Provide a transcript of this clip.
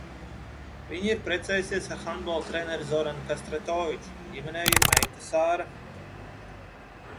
Viņa ir precējusies ar handbola treneri Zoranu Kastratoviču, ģimenē ir meita Sāra.